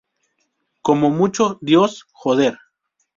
como mucho, Dios. joder.